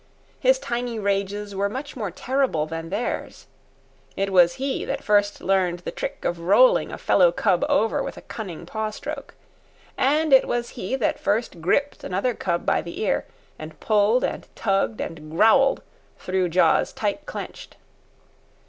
His tiny rages were much more terrible than theirs. It was he that first learned the trick of rolling a fellow cub over with a cunning paw stroke. And it was he that first gripped another cub by the ear and pulled and tugged and growled through jaws tight clenched.